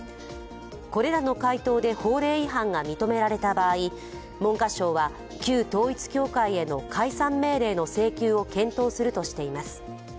これらの回答で法令違反が認められた場合文科省は、旧統一教会への解散命令の請求を検討するとしています。